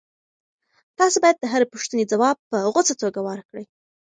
تاسي باید د هرې پوښتنې ځواب په غوڅه توګه ورکړئ.